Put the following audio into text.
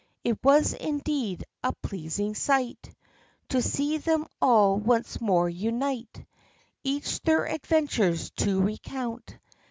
It was indeed a pleasing sight To see them all once more unite, Each their adventures to recount.